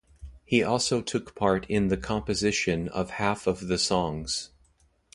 He also took part in the composition of half of the songs.